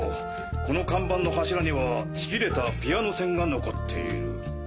この看板の柱にはちぎれたピアノ線が残っている。